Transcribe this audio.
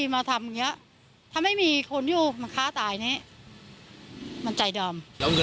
๑๒แล้วเงินจาวอีกไหม